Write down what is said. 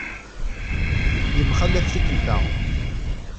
Yemxalaf tikkelt-a.